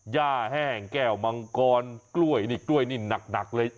ย่าแห้งแก้วมังกรกล้วยนี่กล้วยนี่หนักเลย